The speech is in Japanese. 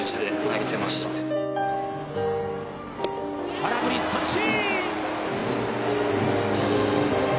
空振り三振！